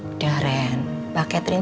udah ren mbak catherine